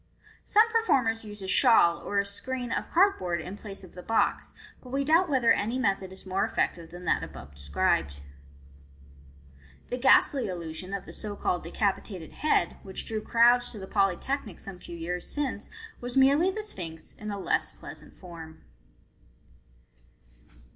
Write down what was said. Some performers use a shawl or a screen of cardboard in place of the box, but we doubt whether any method is more effective than that above described. The ghastly illusion of the so called " Decapitated Head," which drew crowds to the Polytechnic some few years since, was merely the " Sphinx " in a less pleasant form.